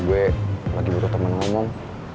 gue lagi butuh temen ngomong